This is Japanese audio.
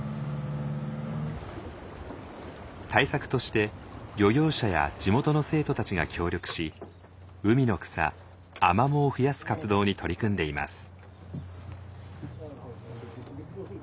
対策として漁業者や地元の生徒たちが協力し海の草アマモを増やす活動に取り組んでいます。